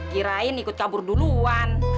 kirain ikut kabur duluan